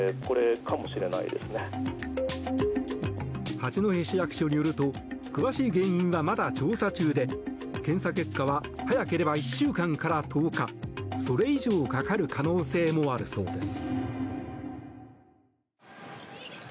八戸市役所によると詳しい原因はまだ調査中で検査結果は早ければ１週間から１０日それ以上かかる可能性もあるそうです。